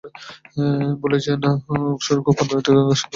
ভুলে যেয়ো না যে ওকোৎসুর গোপন মৃত্যুদণ্ড শুধুমাত্র স্থগিত করা হয়েছে।